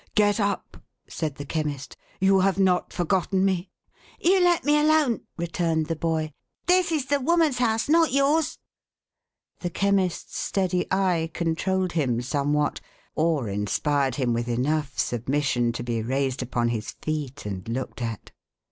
" Get up !" said the Chemist. " You have not forgotten me ?"" You let me alone !" returned the boy. " This is the woman's house — not yours." The Chemist's steady eye controlled him somewhat, or inspired him with enough submission to be raised upon his feet, and looked at.